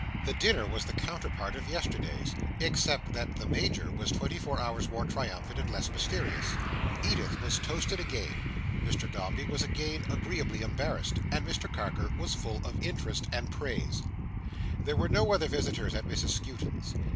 The dinner was the counterpart of yesterday's, except that the Major was twenty four hours more triumphant and less mysterious. Edith was toasted again. Mr Dombey was again agreeably embarrassed. And Mr Carker was full of interest and praise. There were no other visitors at Mrs Skewton's.